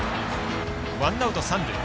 ワンアウト、三塁。